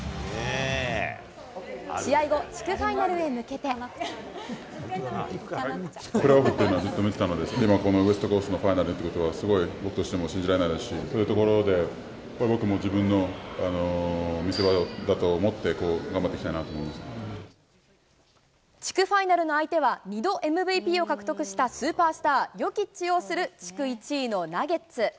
試合後、プレーオフっていうのは、ずっと見てたので、今このウェストコーストのファイナルっていうことは、すごい僕としても信じられないですし、こういうところで、僕も自分の見せ場だと思って、地区ファイナルの相手は、２度、ＭＶＰを獲得したスーパースター、ヨキッチ擁する地区１位のナゲッツ。